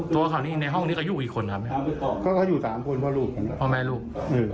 ตัวเขานี้ในห้องนี้ก็อยู่อีกคนครับดีกว่าเขาอยู่สามคนเพราะรูปมันฮะ